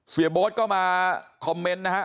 เสียโบ๊ทก็มาคอมเมนต์นะฮะ